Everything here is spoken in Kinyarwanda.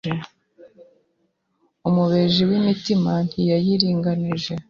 Umubeji w’imitime ntiyeyiringenije,